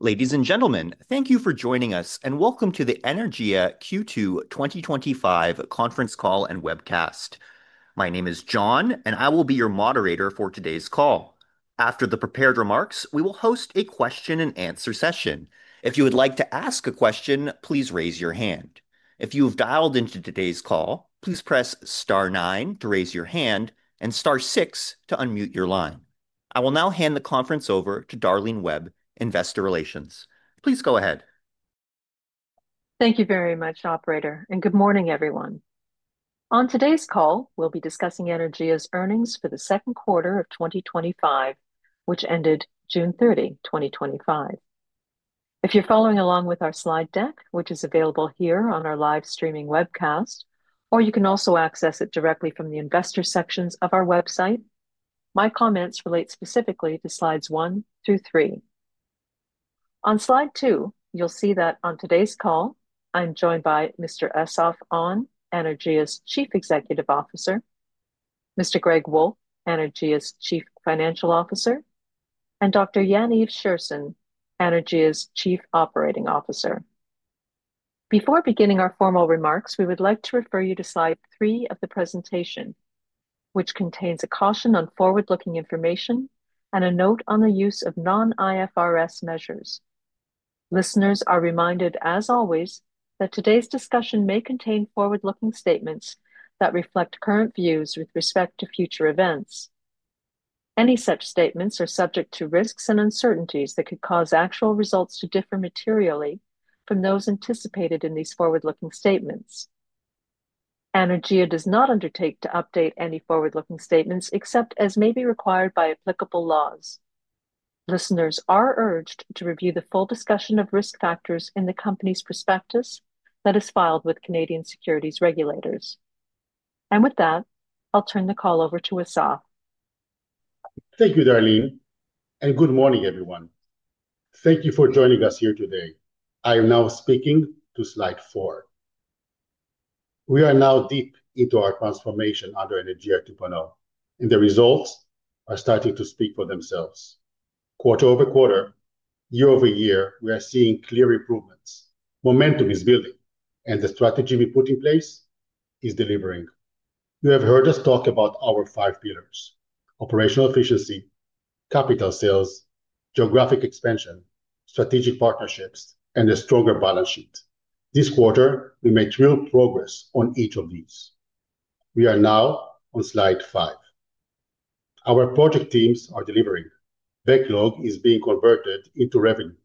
Ladies and gentlemen, thank you for joining us and welcome to the Anaergia Q2 2025 Conference Call and Webcast. My name is John, and I will be your moderator for today's call. After the prepared remarks, we will host a question-and-answer session. If you would like to ask a question, please raise your hand. If you have dialed into today's call, please press star, nine to raise your hand and star, six to unmute your line. I will now hand the conference over to Darlene Webb, Investor Relations. Please go ahead. Thank you very much, Operator, and good morning, everyone. On today's call, we'll be discussing Anaergia's earnings for the second quarter of 2025, which ended June 30, 2025. If you're following along with our slide deck, which is available here on our live streaming webcast, or you can also access it directly from the Investor sections of our website, my comments relate specifically to slides 1 through 3. On slide 2, you'll see that on today's call, I'm joined by Mr. Assaf Onn, Anaergia's Chief Executive Officer, Mr. Greg Wolf, Anaergia's Chief Financial Officer, and Dr. Yaniv Scherson, Anaergia's Chief Operating Officer. Before beginning our formal remarks, we would like to refer you to slide 3 of the presentation, which contains a caution on forward-looking information and a note on the use of non-IFRS measures. Listeners are reminded, as always, that today's discussion may contain forward-looking statements that reflect current views with respect to future events. Any such statements are subject to risks and uncertainties that could cause actual results to differ materially from those anticipated in these forward-looking statements. Anaergia does not undertake to update any forward-looking statements except as may be required by applicable laws. Listeners are urged to review the full discussion of risk factors in the company's prospectus that is filed with Canadian securities regulators. With that, I'll turn the call over to Assaf. Thank you, Darlene, and good morning, everyone. Thank you for joining us here today. I am now speaking to slide 4. We are now deep into our transformation under Anaergia 2.0, and the results are starting to speak for themselves. Quarter over quarter, year over year, we are seeing clear improvements. Momentum is building, and the strategy we put in place is delivering. You have heard us talk about our five pillars: operational efficiency, capital sales, geographic expansion, strategic partnerships, and a stronger balance sheet. This quarter, we made real progress on each of these. We are now on slide 5. Our project teams are delivering. Backlog is being converted into revenue.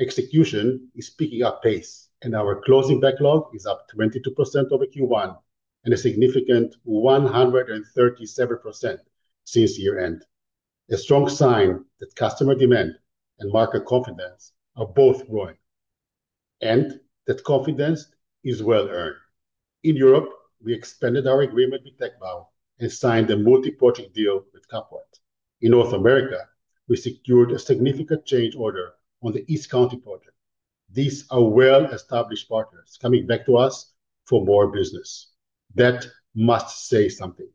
Execution is picking up pace, and our closing backlog is up 22% over Q1 and a significant 137% since year-end. A strong sign that customer demand and market confidence are both growing, and that confidence is well earned. In Europe, we expanded our agreement with TechVal and signed a multi-project deal with Capwatt. In North America, we secured a significant change order on the East County project. These are well-established partners coming back to us for more business. That must say something.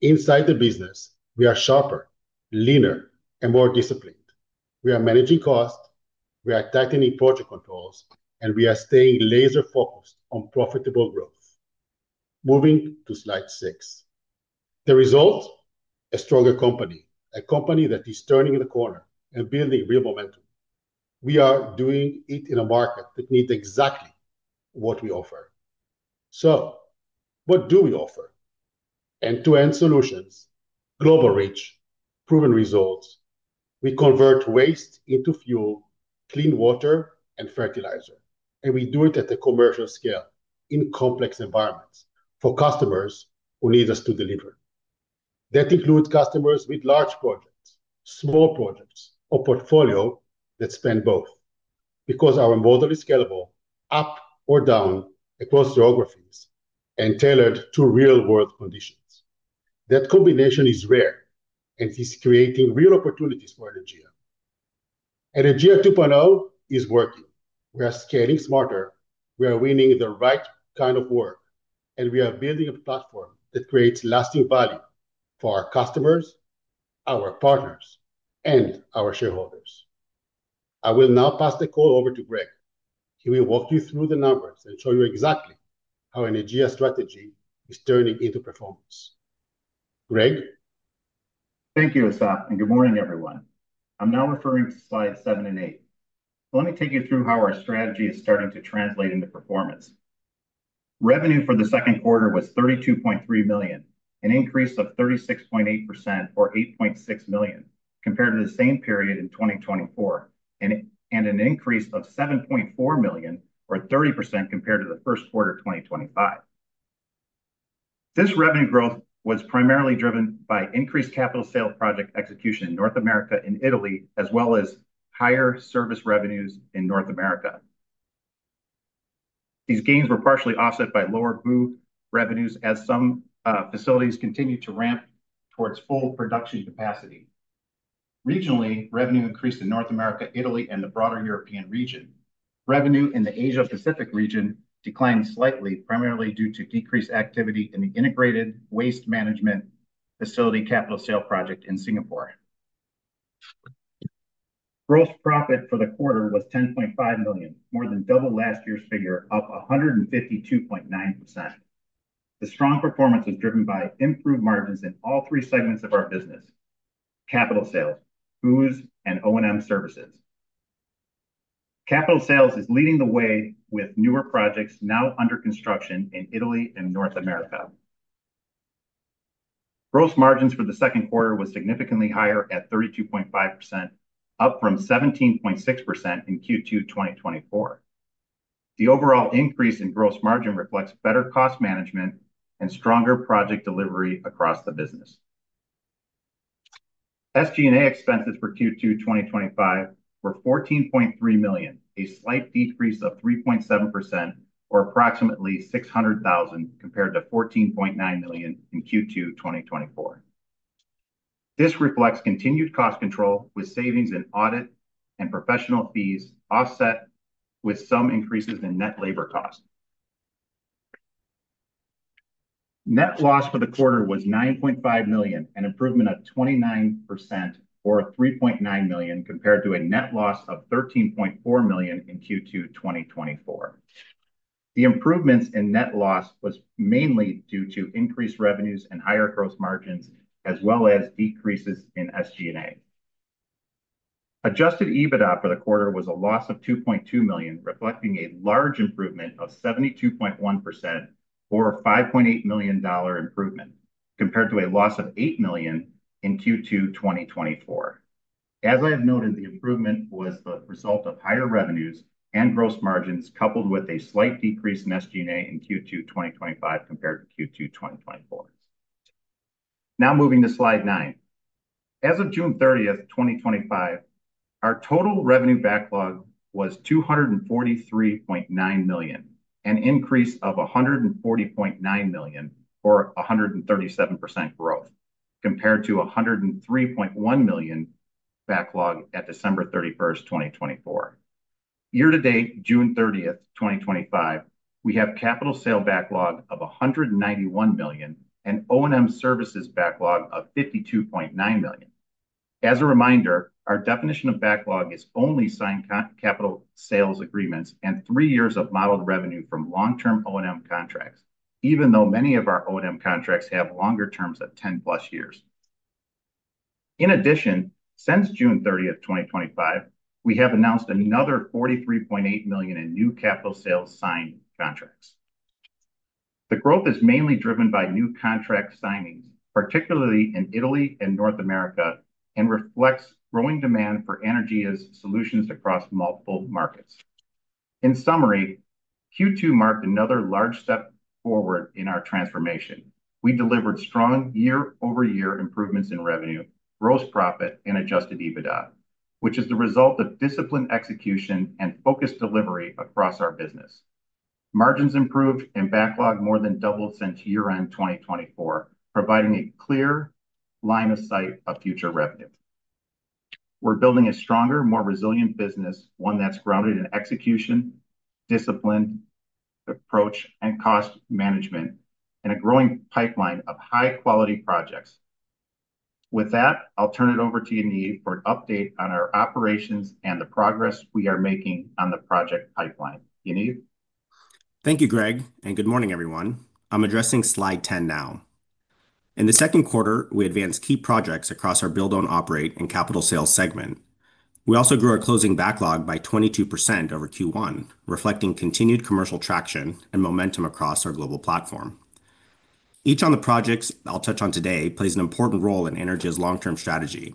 Inside the business, we are sharper, leaner, and more disciplined. We are managing costs, we are tightening project controls, and we are staying laser-focused on profitable growth. Moving to slide 6. The results? A stronger company, a company that is turning the corner and building real momentum. We are doing it in a market that needs exactly what we offer. What do we offer? End-to-end solutions, global reach, proven results. We convert waste into fuel, clean water, and fertilizer, and we do it at the commercial scale in complex environments for customers who need us to deliver. That includes customers with large projects, small projects, or portfolios that span both. Our model is scalable, up or down across geographies, and tailored to real-world conditions. That combination is rare and is creating real opportunities for Anaergia. Anaergia 2.0 is working. We are scaling smarter, we are winning the right kind of work, and we are building a platform that creates lasting value for our customers, our partners, and our shareholders. I will now pass the call over to Greg. He will walk you through the numbers and show you exactly how Anaergia's strategy is turning into performance. Greg? Thank you, Assaf, and good morning, everyone. I'm now referring to slides 7 and 8. Let me take you through how our strategy is starting to translate into performance. Revenue for the second quarter was $32.3 million, an increase of 36.8% or $8.6 million compared to the same period in 2024, and an increase of $7.4 million or 30% compared to the first quarter of 2025. This revenue growth was primarily driven by increased capital sales project execution in North America and Italy, as well as higher service revenues in North America. These gains were partially offset by lower booth revenues as some facilities continued to ramp towards full production capacity. Regionally, revenue increased in North America, Italy, and the broader European region. Revenue in the Asia-Pacific region declined slightly, primarily due to decreased activity in the Integrated Waste Management Facility capital sale project in Singapore. Gross profit for the quarter was $10.5 million, more than double last year's figure, up 152.9%. The strong performance is driven by improved margins in all three segments of our business: capital sales, booths, and O&M services. Capital sales is leading the way with newer projects now under construction in Italy and North America. Gross margins for the second quarter were significantly higher at 32.5%, up from 17.6% in Q2 2024. The overall increase in gross margin reflects better cost management and stronger project delivery across the business. SG&A expenses for Q2 2025 were $14.3 million, a slight decrease of 3.7% or approximately $600,000 compared to $14.9 million in Q2 2024. This reflects continued cost control with savings in audit and professional fees offset with some increases in net labor costs. Net loss for the quarter was $9.5 million, an improvement of 29% or $3.9 million compared to a net loss of $13.4 million in Q2 2024. The improvements in net loss were mainly due to increased revenues and higher gross margins, as well as decreases in SG&A. Adjusted EBITDA for the quarter was a loss of $2.2 million, reflecting a large improvement of 72.1% or a $5.8 million improvement compared to a loss of $8 million in Q2 2024. As I have noted, the improvement was the result of higher revenues and gross margins coupled with a slight decrease in SG&A in Q2 2025 compared to Q2 2024. Now moving to slide 9. As of June 30, 2025, our total revenue backlog was $243.9 million, an increase of $140.9 million or 137% growth compared to a $103.1 million backlog at December 31, 2024. Year to date, June 30, 2025, we have a capital sale backlog of $191 million and an O&M services backlog of $52.9 million. As a reminder, our definition of backlog is only signed capital sales agreements and three years of model revenue from long-term O&M contracts, even though many of our O&M contracts have longer terms of 10+ years. In addition, since June 30, 2025, we have announced another $43.8 million in new capital sales signed contracts. The growth is mainly driven by new contract signings, particularly in Italy and North America, and reflects growing demand for Anaergia's solutions across multiple markets. In summary, Q2 marked another large step forward in our transformation. We delivered strong year-over-year improvements in revenue, gross profit, and adjusted EBITDA, which is the result of disciplined execution and focused delivery across our business. Margins improved and backlog more than doubled since year-end 2024, providing a clear line of sight of future revenue. We're building a stronger, more resilient business, one that's grounded in execution, discipline, approach, and cost management, and a growing pipeline of high-quality projects. With that, I'll turn it over to Yaniv for an update on our operations and the progress we are making on the project pipeline. Yaniv? Thank you, Greg, and good morning, everyone. I'm addressing slide 10 now. In the second quarter, we advanced key projects across our build-own-operate and capital sales segment. We also grew our closing backlog by 22% over Q1, reflecting continued commercial traction and momentum across our global platform. Each of the projects I'll touch on today plays an important role in Anaergia's long-term strategy.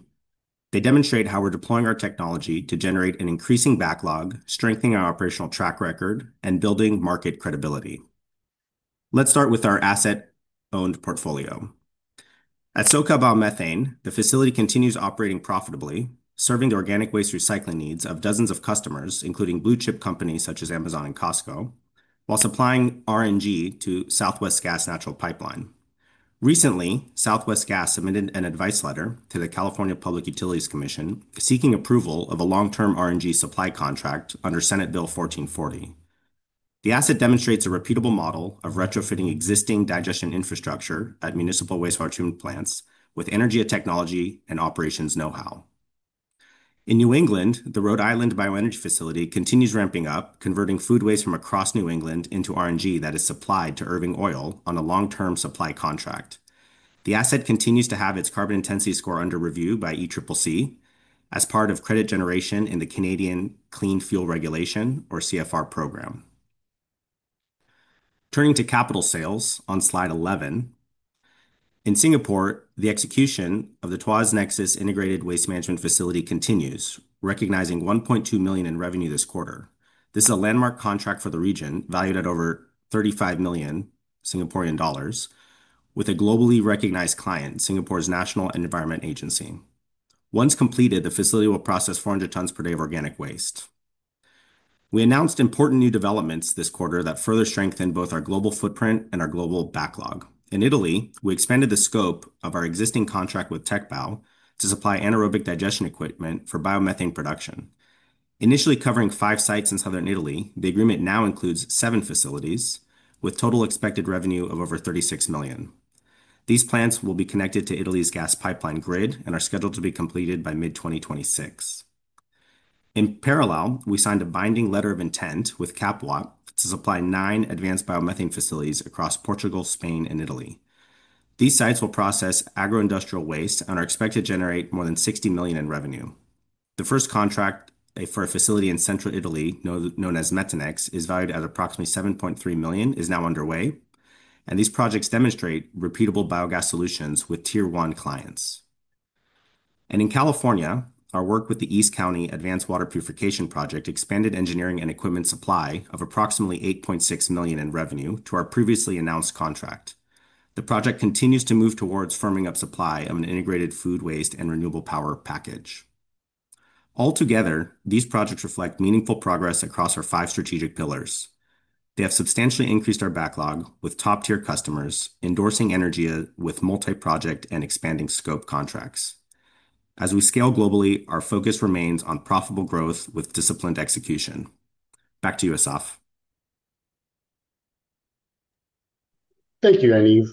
They demonstrate how we're deploying our technology to generate an increasing backlog, strengthening our operational track record, and building market credibility. Let's start with our asset-owned portfolio. At Soka Val Methane, the facility continues operating profitably, serving the organic waste recycling needs of dozens of customers, including blue-chip companies such as Amazon and Costco, while supplying RNG to Southwest Gas pipeline. Recently, Southwest Gas submitted an advice letter to the California Public Utilities Commission seeking approval of a long-term RNG supply contract under Senate Bill 1440. The asset demonstrates a repeatable model of retrofitting existing digestion infrastructure at municipal waste processing plants with Anaergia technology and operations know-how. In New England, the Rhode Island Bioenergy Facility continues ramping up, converting food waste from across New England into RNG that is supplied to Irving Oil on a long-term supply contract. The asset continues to have its carbon intensity score under review by ECCC as part of credit generation in the Canadian Clean Fuel Regulation, or CFR, program. Turning to capital sales on slide 11, in Singapore, the execution of the Tuas Nexus Integrated Waste Management Facility continues, recognizing $1.2 million in revenue this quarter. This is a landmark contract for the region, valued at over 35 million dollars, with a globally recognized client, Singapore's National Environment Agency. Once completed, the facility will process 400 tons per day of organic waste. We announced important new developments this quarter that further strengthened both our global footprint and our global backlog. In Italy, we expanded the scope of our existing contract with TechVal to supply anaerobic digestion equipment for biomethane production. Initially covering five sites in southern Italy, the agreement now includes seven facilities with total expected revenue of over $36 million. These plants will be connected to Italy's gas pipeline grid and are scheduled to be completed by mid-2026. In parallel, we signed a binding letter of intent with Capwatt to supply nine advanced biomethane facilities across Portugal, Spain, and Italy. These sites will process agroindustrial waste and are expected to generate more than $60 million in revenue. The first contract for a facility in central Italy, known as Methanex, is valued at approximately $7.3 million, is now underway, and these projects demonstrate repeatable biogas solutions with Tier 1 clients. In California, our work with the East County Advanced Water Purification Project expanded engineering and equipment supply of approximately $8.6 million in revenue to our previously announced contract. The project continues to move towards firming up supply of an integrated food waste and renewable power package. Altogether, these projects reflect meaningful progress across our five strategic pillars. They have substantially increased our backlog with top-tier customers endorsing Anaergia with multi-project and expanding scope contracts. As we scale globally, our focus remains on profitable growth with disciplined execution. Back to you, Assaf. Thank you, Yaniv.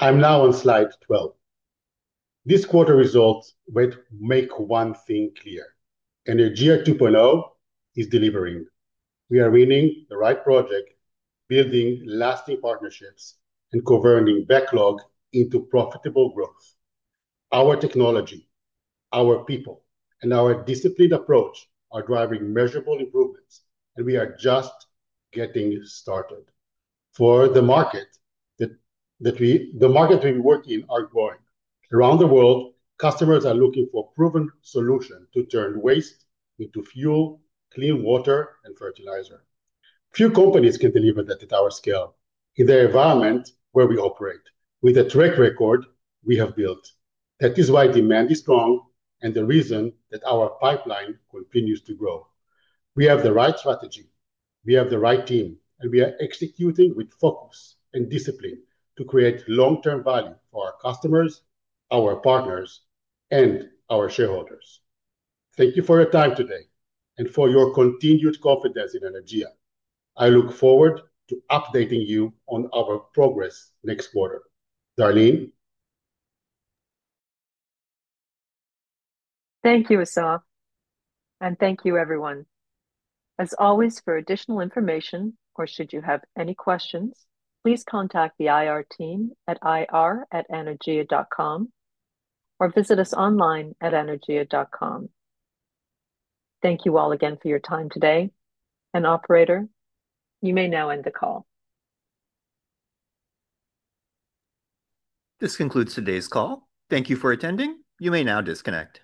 I'm now on slide 12. This quarter's results make one thing clear: Anaergia 2.0 is delivering. We are winning the right project, building lasting partnerships, and converting backlog into profitable growth. Our technology, our people, and our disciplined approach are driving measurable improvements, and we are just getting started. For the markets we work in are growing. Around the world, customers are looking for proven solutions to turn waste into fuel, clean water, and fertilizer. Few companies can deliver that at our scale in the environment where we operate, with a track record we have built. That is why demand is strong and the reason that our pipeline continues to grow. We have the right strategy, we have the right team, and we are executing with focus and discipline to create long-term value for our customers, our partners, and our shareholders. Thank you for your time today and for your continued confidence in Anaergia. I look forward to updating you on our progress next quarter. Darlene? Thank you, Assaf, and thank you, everyone. As always, for additional information, or should you have any questions, please contact the IR team at ir@anaergia.com or visit us online at anaergia.com. Thank you all again for your time today. Operator, you may now end the call. This concludes today's call. Thank you for attending. You may now disconnect.